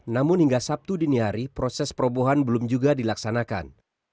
namun hingga sabtu dini hari proses perobohan belum juga dilaksanakan